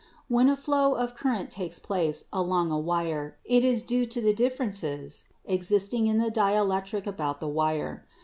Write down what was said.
When a flow of current takes place along a wire it is due to the differences existing in the dielectric about the wire.